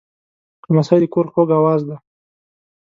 لمسی د کور خوږ آواز دی.